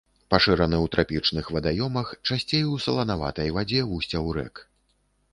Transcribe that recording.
Пашыраны ў трапічных вадаёмах, часцей у саланаватай вадзе вусцяў рэк.